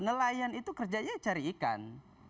nelayan itu kerjanya cari ikan